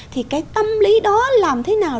thì cái tâm lý đó làm thế nào